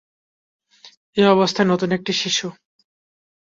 এই অবস্থায় নতুন একটি শিশু।